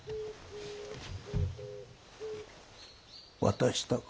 渡したか？